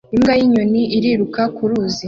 Imbwa y'inyoni iriruka ku ruzi